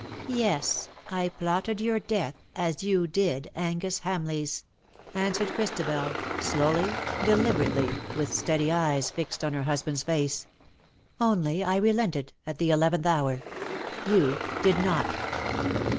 "Yes, I plotted your death as you did Angus Hamleigh''s," answered Christabel, slowly, deliber ately, with steady eves fixed on her husband's face; *^only I relented at the eleventh hour. You did not."